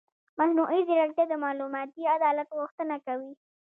مصنوعي ځیرکتیا د معلوماتي عدالت غوښتنه کوي.